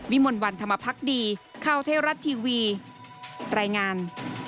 วิมวลวันธรรมพักดีข้าวเทศรัทย์ทีวีแรงงาน